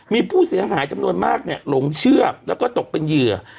มีผู้เสียหายจำนวนมากหลงเชื่อแล้วก็ตกเป็นเหยื่อ